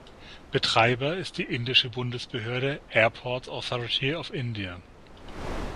Betreiber ist die indische Bundesbehörde Airports Authority of India.